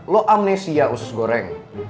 lo amnesia usus goreng